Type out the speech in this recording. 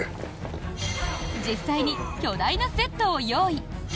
実際に巨大なセットを用意。